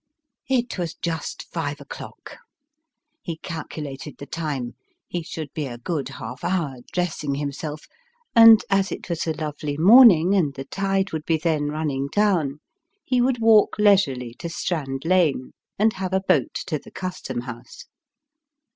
It was just five o'clock. He calculated the time ho should be a good half hour dressing himself ; and as it was a lovely morning, and the tide would be then running down, he would walk leisurely to Strand Lane, and have a boat to the Custom House.